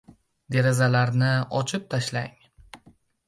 Derazalarni ochib tashlang.